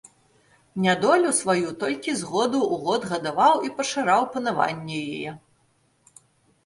Нядолю сваю толькі з году ў год гадаваў і пашыраў панаванне яе.